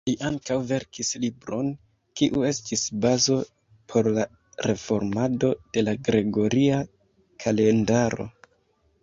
Li ankaŭ verkis libron kiu estis bazo por la reformado de la gregoria kalendaro.